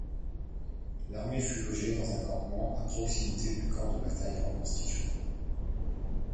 L'armée fut logée dans un campement à proximité du champ de bataille reconstitué.